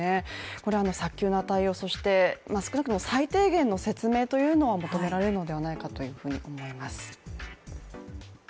これは早急な対応、そして少なくとも最低限の説明というのは求められるのではないかと思います。